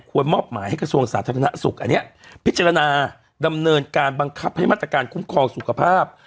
มอบหมายให้กระทรวงสาธารณสุขอันนี้พิจารณาดำเนินการบังคับให้มาตรการคุ้มครองสุขภาพ